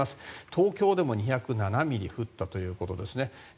東京でも２０７ミリ降ったということですね。